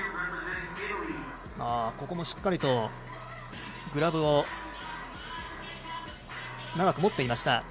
ここもしっかりとグラブを長く持っていました。